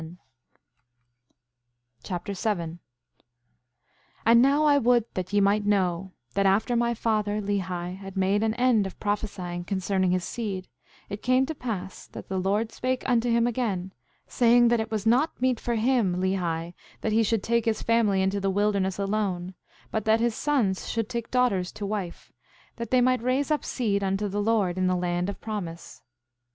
1 Nephi Chapter 7 7:1 And now I would that ye might know, that after my father, Lehi, had made an end of prophesying concerning his seed, it came to pass that the Lord spake unto him again, saying that it was not meet for him, Lehi, that he should take his family into the wilderness alone; but that his sons should take daughters to wife, that they might raise up seed unto the Lord in the land of promise.